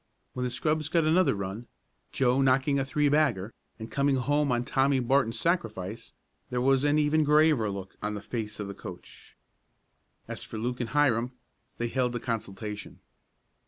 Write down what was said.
When the scrubs got another run, Joe knocking a three bagger, and coming home on Tommy Barton's sacrifice, there was even a graver look on the face of the coach. As for Luke and Hiram, they held a consultation.